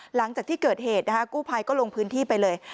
หลังจากที่เกิดเหตุนะคะกู้ภัยก็ลงพื้นที่ไปเลย